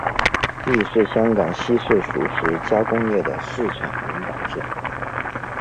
亦是香港西式熟食加工业的市场领导者。